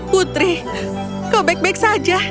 putri kau baik baik saja